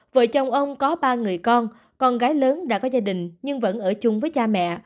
vợ chồng ông có ba người con con gái lớn đã có gia đình nhưng vẫn ở chung với cha mẹ